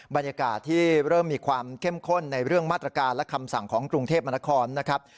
บรรยากาศที่เริ่มมีความเข้มข้นในเรื่องมาตรการและคำสั่งของกรุงเทพมนครนะครับ